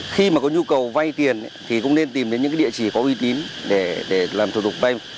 khi mà có nhu cầu vay tiền thì cũng nên tìm đến những địa chỉ có uy tín để làm thủ tục vay